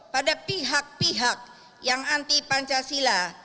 pada pihak pihak yang anti pancasila